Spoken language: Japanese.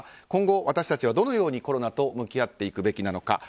今後、私たちはどのようにコロナと向き合っていくべきなのか。